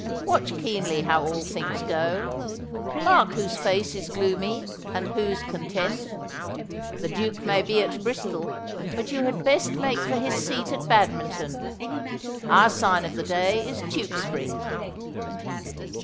Watch keenly how all things go. Mark whose face is gloomy and whose content. The Duke may be at Bristol, but you had best make for his seat at Badminton. Our sign of the day is Tewkesbury.